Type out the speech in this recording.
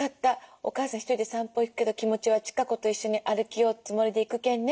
お母さん一人で散歩行くけど気持ちは千香子と一緒に歩きようつもりで行くけんね。